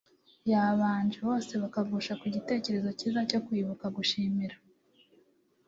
yabanje, bose bakagusha ku gitekerezo kiza cyo kwibuka gushimira